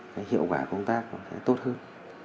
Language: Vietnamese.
cái hiệu quả công tác nó sẽ tốt hơn